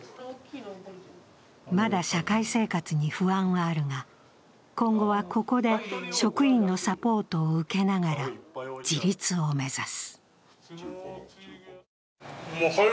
まだ社会生活に不安はあるが今後はここで職員のサポートを受けながら自立を目指す。